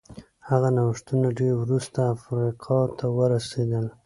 هغه نوښتونه ډېر وروسته افریقا ته ورسېدل.